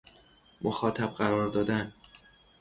مخاطب قرار دادن